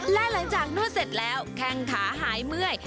และหลังจากนวดเสร็จแล้วแข้งขาหายเมื่อย